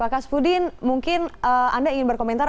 pak kas pudin mungkin anda ingin berkomentar